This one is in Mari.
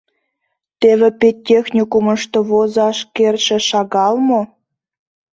Теве педтехникумышто возаш кертше шагал мо?